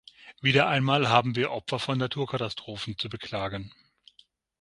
Wieder einmal haben wir Opfer von Naturkatastrophen zu beklagen.